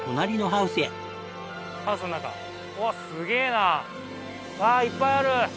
わあいっぱいある！